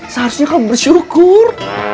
seharusnya kamu bersyukur